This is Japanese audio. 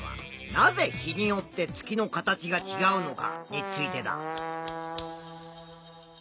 なぜ日によって月の形がちがうのか？